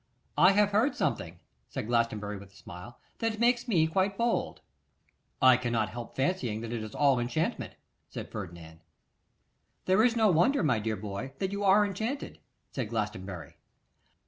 'I have heard something,' said Glastonbury, with a smile, 'that makes me quite bold.' 'I cannot help fancying that it is all enchantment,' said Ferdinand. 'There is no wonder, my dear boy, that you are enchanted,' said Glastonbury.